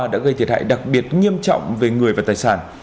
đã gây thiệt hại đặc biệt nghiêm trọng về người và tài sản